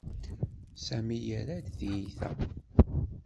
Sami yerra-d tiyita.